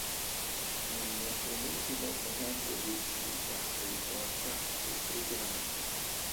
In un ultimo momento di lucidità e di forza, distrugge la macchina.